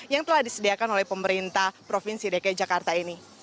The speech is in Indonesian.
yang telah disediakan oleh pemerintah provinsi dki jakarta ini